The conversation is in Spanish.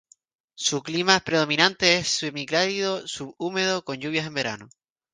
Su clima predominante es semicálido subhúmedo con lluvias en verano.